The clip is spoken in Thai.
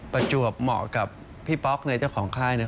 ประจวบเหมาะกับพี่ป๊อกในเจ้าของค่ายเนี่ย